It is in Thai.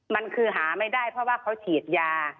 มันคือหาไม่ได้เพราะว่าเขาฉีดยา